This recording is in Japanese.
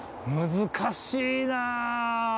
難しいなー。